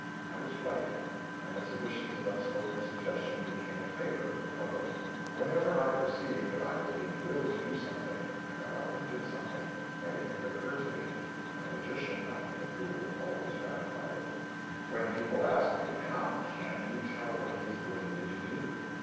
I was right, and exhibitions of unspoken suggestion became a favorite with the public. Whenever I perceived that I was being willed to do something I got up and did something anything that occurred to me and the magician, not being a fool, always ratified it. When people asked me, "How can you tell what he is willing you to do?"